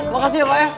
makasih ya pak ya